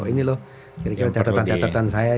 oh ini loh kira kira catatan catatan saya yang